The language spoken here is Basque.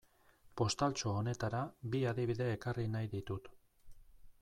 Postaltxo honetara bi adibide ekarri nahi ditut.